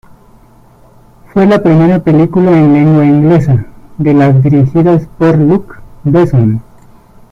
Fue la primera película en lengua inglesa de las dirigidas por Luc Besson.